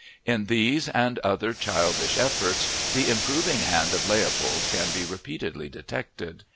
In these and other childish efforts the improving hand of Leopold can be repeatedly detected.